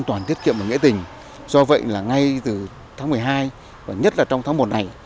an toàn tiết kiệm và nghĩa tình do vậy là ngay từ tháng một mươi hai và nhất là trong tháng một này